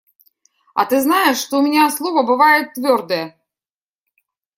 А ты знаешь, что у меня слово бывает твердое?